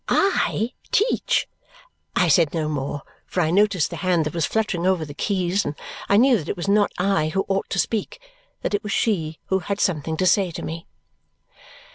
I teach! I said no more, for I noticed the hand that was fluttering over the keys, and I knew that it was not I who ought to speak, that it was she who had something to say to me.